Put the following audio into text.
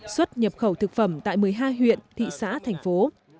xuất nhập khẩu thực phẩm tại một mươi hai huyện thị xã thành phố